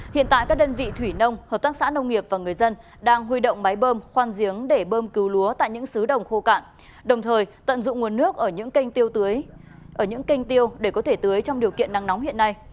hiện tại các đơn vị thủy nông hợp tác xã nông nghiệp và người dân đang huy động máy bơm khoan giếng để bơm cứu lúa tại những xứ đồng khô cạn đồng thời tận dụng nguồn nước ở những kênh tiêu tưới ở những kênh tiêu để có thể tưới trong điều kiện nắng nóng hiện nay